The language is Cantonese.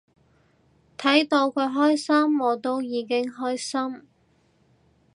睇到佢開心我都已經開心